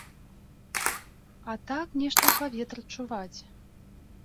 А так, нешта ў паветры чуваць.